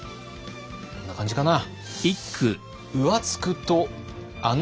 こんな感じかな。